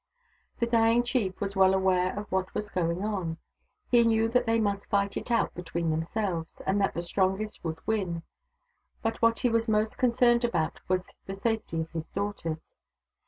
The dying chief was well aware of what was going on. He knew that they must fight it out between themselves, and that the strongest would win ; but what he was most concerned about was the safety of his daughters.